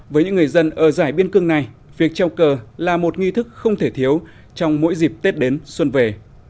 với những người dân ở giải biên cương này việc treo cờ là một nghi thức không thể thiếu trong mỗi dịp tết đến xuân về